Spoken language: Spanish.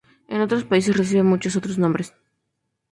En otros países recibe muchos otros nombres.